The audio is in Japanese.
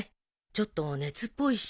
ちょっと熱っぽいし。